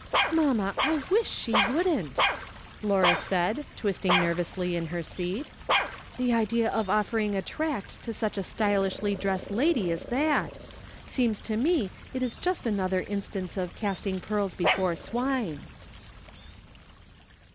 " j\Iamma, I wish she wouldn't," Laura said, twist ing nervously on her seat ;" the idea of offering a tract to such a stylishly dressed lady as that ! Seems to me it is ju5t another instance of 'casting pearls before swine'."